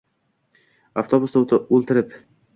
Avtobusda o’ltirib.